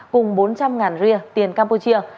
cùng bốn trăm linh ria tiền campuchia